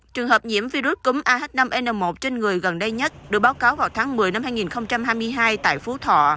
trường hợp nhiễm virus cúm ah năm n một trên người gần đây nhất được báo cáo vào tháng một mươi năm hai nghìn hai mươi hai tại phú thọ